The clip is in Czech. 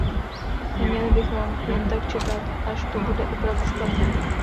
Neměli bychom jen tak čekat, až to bude opravdu špatné.